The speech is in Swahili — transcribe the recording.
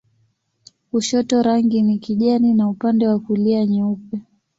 Kushoto rangi ni kijani na upande wa kulia nyeupe.